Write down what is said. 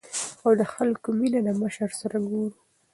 او د خلکو مينه د مشر سره ګورو ـ